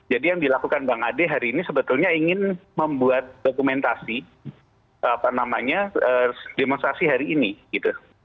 jadi yang dilakukan bang ade hari ini sebetulnya ingin membuat dokumentasi apa namanya demonstrasi hari ini gitu